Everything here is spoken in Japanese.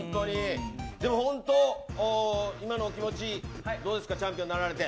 でも、本当今のお気持ちどうですかチャンピオンになられて。